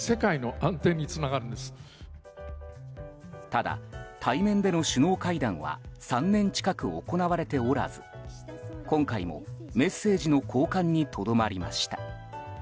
ただ、対面での首脳会談は３年近く行われておらず今回もメッセージの交換にとどまりました。